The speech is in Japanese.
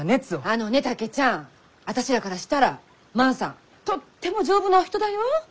あのね竹ちゃん私らからしたら万さんとっても丈夫なお人だよ。